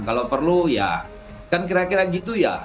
kalau perlu ya kan kira kira gitu ya